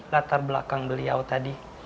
latar belakang beliau tadi